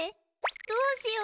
どうしよう？